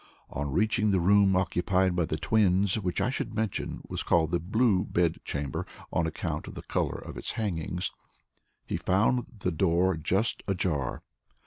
On reaching the room occupied by the twins, which I should mention was called the Blue Bed Chamber on account of the color of its hangings, he found the door just ajar.